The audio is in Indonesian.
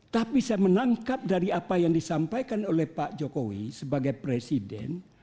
tapi saya menangkap dari apa yang disampaikan oleh pak jokowi sebagai presiden